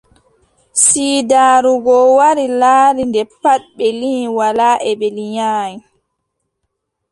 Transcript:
Siidaaru goo wari laari, nde pat ɓe liŋi walaa e ɓe liŋaay ;